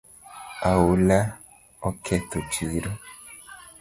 Oula oketho chiro